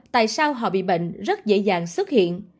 tại sao họ bị bệnh rất dễ dàng xuất hiện